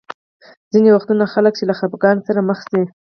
ځینې وختونه خلک چې له خفګان سره مخ شي.